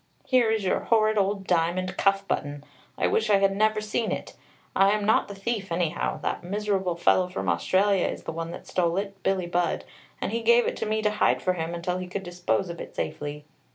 "Here is your horrid old diamond cuff button! I wish I had never seen it. I am not the thief, anyhow. That miserable fellow from Australia is the one that stole it, Billie Budd, and he gave it to me to hide for him until he could dispose of it safely.